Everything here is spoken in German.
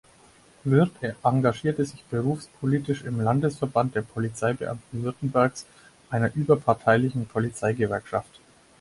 Wirth engagierte sich berufspolitisch im Landesverband der Polizeibeamten Württembergs, einer überparteilichen Polizeigewerkschaft.